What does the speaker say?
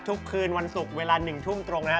ทุกคืนวันศุกร์เวลาหนึ่งทุ่มตรงนะครับ